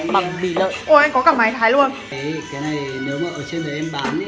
mình phải bảo có giò bì